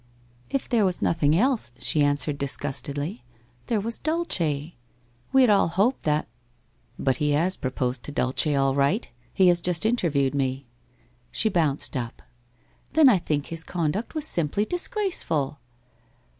' If there was nothing else,' she answered disgustedly, ' there was Dulce. We had all hoped that '' But he has proposed for Dulce all right. He has just interviewed me.' She bounced up. ' Then I think his conduct was simply disgraceful